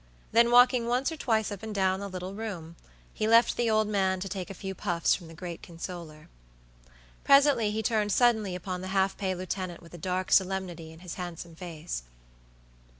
Then walking once or twice up and down the little room, he left the old man to take a few puffs from the great consoler. Presently he turned suddenly upon the half pay lieutenant with a dark solemnity in his handsome face.